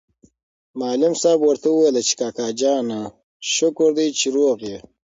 معلم صاحب ورته وویل چې کاکا جانه شکر دی چې روغ یې.